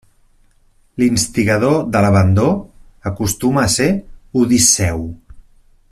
L'instigador de l'abandó acostuma a ser Odisseu.